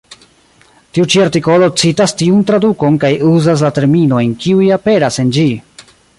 Tiu ĉi artikolo citas tiun tradukon kaj uzas la terminojn, kiuj aperas en ĝi.